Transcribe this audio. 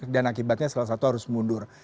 dan akibatnya salah satu harus mundur